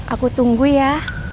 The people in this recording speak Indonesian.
aku tunggu ya